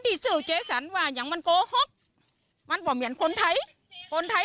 เกิดเงินทุกอย่างไม่เคยเอามาให้พี่สาว